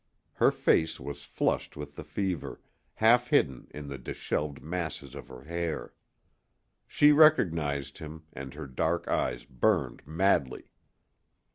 Her face was flushed with the fever, half hidden in the disheveled masses of her hair. She recognized him, and her dark eyes burned madly.